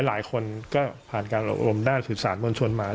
หลายคนก็ผ่านการอบรมด้านสื่อสารมวลชนมา